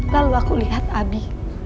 lalu aku lihat abi